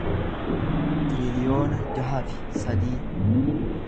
tiriliyoona jaha fi sadii